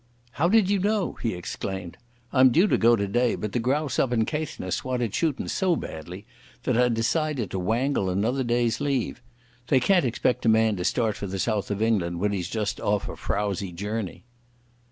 "How did you know?" he exclaimed. "I'm due to go today, but the grouse up in Caithness wanted shootin' so badly that I decided to wangle another day's leave. They can't expect a man to start for the south of England when he's just off a frowsy journey."